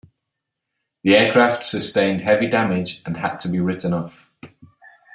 The aircraft sustained heavy damage and had to be written off.